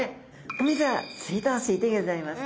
お水は水道水でギョざいます。